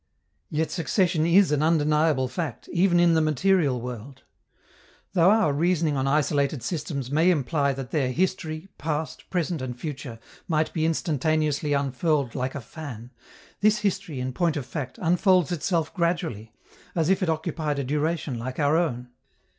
Yet succession is an undeniable fact, even in the material world. Though our reasoning on isolated systems may imply that their history, past, present, and future, might be instantaneously unfurled like a fan, this history, in point of fact, unfolds itself gradually, as if it occupied a duration like our own.